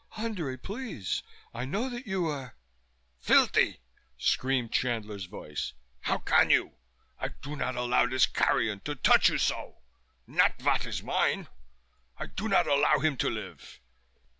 _" "Andrei, please. I know that you are " "Filthy!" screamed Chandler's voice. "How can you? I do not allow this carrion to touch you so not vot is mine I do not allow him to live!"